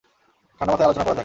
ঠান্ডা মাথায় আলোচনা করা যাক।